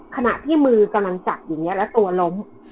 ขณะที่มือกำลังจับอยู่เนี่ยและตัวล้ม